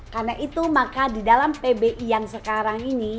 karena itu maka di dalam pbi yang sekarang ini